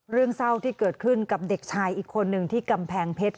เรื่องเศร้าที่เกิดขึ้นกับเด็กชายอีกคนหนึ่งที่กำแพงเพชร